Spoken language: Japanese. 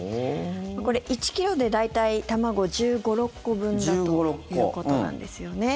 これ１ｋｇで大体、卵１５１６個分だということなんですよね。